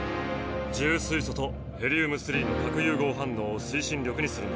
重水素とヘリウム３の核融合反応を推進力にするんだ。